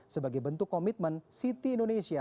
sebagai bentuk komitmen siti indonesia